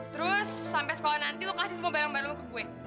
terus sampai sekolah nanti lo kasih semua barang barang lo ke gue